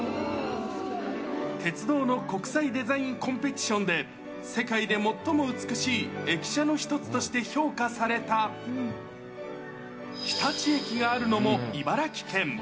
鉄道の国際デザインコンペティションで、世界で最も美しい駅舎の一つとして評価された日立駅があるのも茨城県。